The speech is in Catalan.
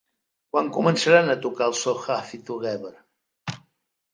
Quan començaran a tocar els So Happy Together?